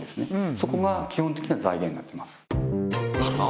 そこが基本的には財源になってますそう